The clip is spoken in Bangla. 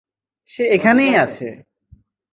সে এখানেই আছে।